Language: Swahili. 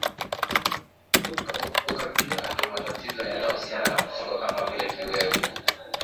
hukabiliwa na matatizo yanayohusiana na msongo kama vile kiwewe